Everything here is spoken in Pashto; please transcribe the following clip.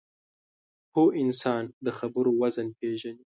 پوه انسان د خبرو وزن پېژني